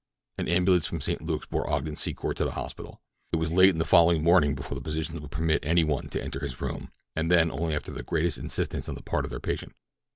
An ambulance from St. Luke's bore Ogden Secor to the hospital. It was late the following morning before the physicians would permit any one to enter his room, and then only after the greatest insistence on the part of their patient.